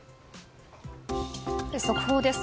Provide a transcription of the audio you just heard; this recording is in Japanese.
速報です。